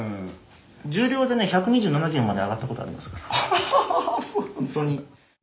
重量でね１２７キロまで挙がったことありますからホントに。